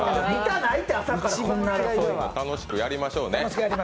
楽しくやりましょうね。